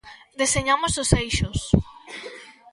Deseñamos os eixos.